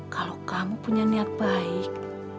kalau kamu punya niat baik